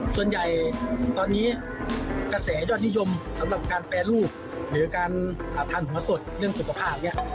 ส่วนใหญ่ตอนนี้กระแสยอดนิยมสำหรับการแปรรูปหรือการทานหัวสดเรื่องสุขภาพเนี่ย